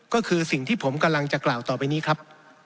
ก็คือสิ่งที่ผมกำลังจะกล่าวต่อไปนี้ครับ